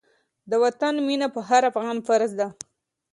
د وطن مينه په هر افغان فرض ده.